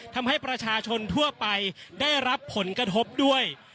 ทำให้ประชาชนทั่วไปได้รับผลกระทบด้วย